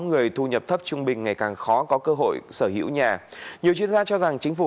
người thu nhập thấp trung bình ngày càng khó có cơ hội sở hữu nhà nhiều chuyên gia cho rằng chính phủ